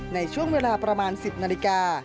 ในช่วงเวลาประมาณ๑๐นาฬิกา